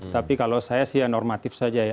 tapi kalau saya sih ya normatif saja ya